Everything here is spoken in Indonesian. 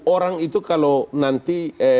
orang itu kalau nanti